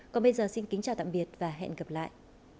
còn bây giờ xin kính chào tạm biệt và hẹn gặp lại